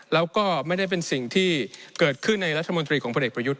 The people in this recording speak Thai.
แล้วก็ไม่ได้เป็นสิ่งที่เกิดขึ้นในรัฐมนตรีของพลเอกประยุทธ์